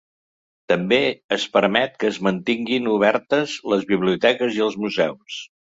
També es permet que es mantinguin obertes les biblioteques i els museus.